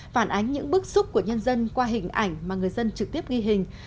phản ánh những bức xúc của nhân dân qua hình ảnh mà người dân trực tiếp ghi hình